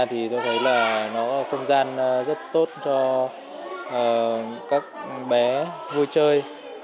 thì tôi thấy là nó là không gian rất tốt cho các bé vui chơi